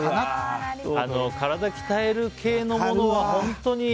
体鍛える系のものは本当に。